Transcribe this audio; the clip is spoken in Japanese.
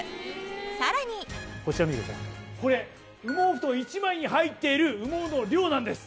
羽毛ふとん一枚に入っている羽毛の量なんです！